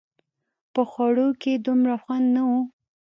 په خوړلو کښې يې دومره خوند نه و.